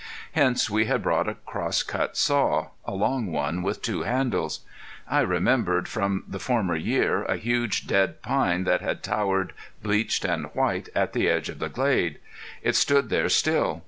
Hence we had brought a crosscut saw a long one with two handles. I remembered from the former year a huge dead pine that had towered bleached and white at the edge of the glade. It stood there still.